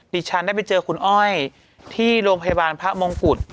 ฉันได้ไปเจอคุณอ้อยที่โรงพยาบาลพระมงกุฎ